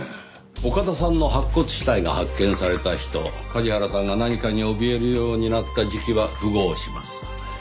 岡田さんの白骨死体が発見された日と梶原さんが何かにおびえるようになった時期は符合します。